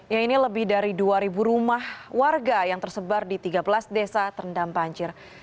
ya ini lebih dari dua rumah warga yang tersebar di tiga belas desa terendam banjir